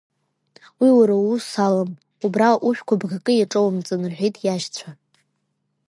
Уи уара уус алам, убра ужәқәа бгакы иаҿоумҵан, — рҳәеит иашьцәа.